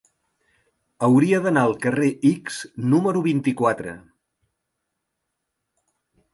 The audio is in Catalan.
Hauria d'anar al carrer X número vint-i-quatre.